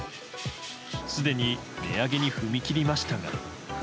すでに値上げに踏み切りましたが。